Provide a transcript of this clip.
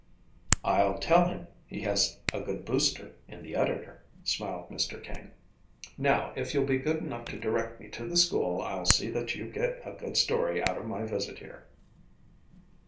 "I'll tell him he has a good booster in the editor," smiled Mr. King. "Now, if you'll be good enough to direct me to the school I'll see that you get a good story out of my visit here."